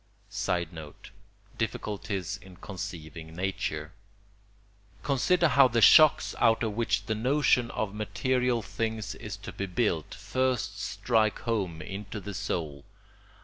[Sidenote: Difficulties in conceiving nature.] Consider how the shocks out of which the notion of material things is to be built first strike home into the soul.